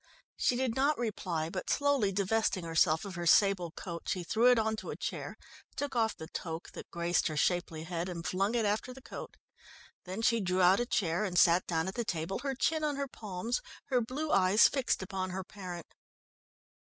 She did not reply, but slowly divesting herself of her sable coat she threw it on to a chair, took off the toque that graced her shapely head, and flung it after the coat. Then she drew out a chair, and sat down at the table, her chin on her palms, her blue eyes fixed upon her parent.